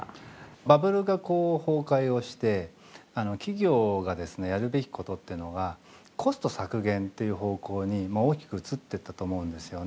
バブルが崩壊をして企業がですねやるべきことっていうのがコスト削減っていう方向に大きく移っていったと思うんですよね。